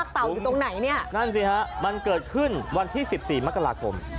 เต่าอยู่ตรงไหนเนี่ยนั่นสิฮะมันเกิดขึ้นวันที่๑๔มกราคม